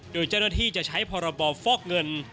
โดยเจ้าหน้าที่จะใช้พรบฟอกเงิน